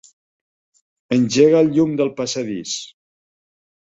Engega el llum del passadís.